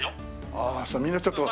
ああみんなちょっと。